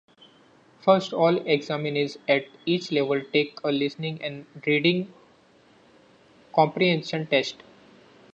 First, all examinees at each level take a listening and reading comprehension test.